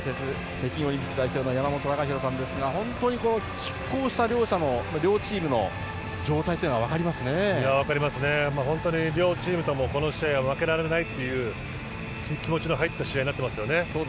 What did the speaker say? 北京オリンピック代表の山本隆弘さんですが本当に拮抗した両チームの状態が本当に両チームともこの試合を負けられないという気持ちの入った試合になっていますよね。